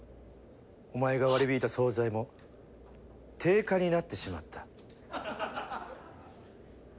お前が割り引いた総菜も定価になってしまった。